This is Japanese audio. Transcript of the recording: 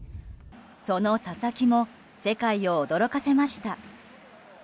その佐々木も世界を驚かせました。